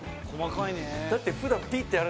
だって。